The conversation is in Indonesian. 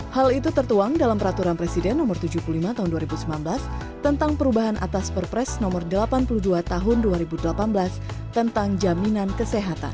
hal itu tertuang dalam peraturan presiden no tujuh puluh lima tahun dua ribu sembilan belas tentang perubahan atas perpres nomor delapan puluh dua tahun dua ribu delapan belas tentang jaminan kesehatan